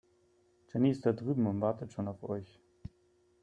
Jenny ist da drüben und wartet schon auf euch.